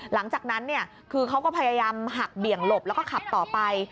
หลังจากนั้นคือเขาก็พยายามหักเบี่ยงหลบแล้วก็ขับต่อไป